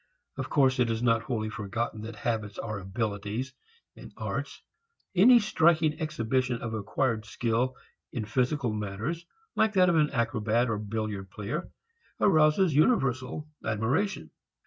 Of course it is not wholly forgotten that habits are abilities, arts. Any striking exhibition of acquired skill in physical matters, like that of an acrobat or billiard player, arouses universal admiration.